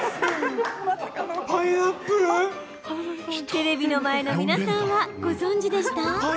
テレビの前の皆さんはご存じでした？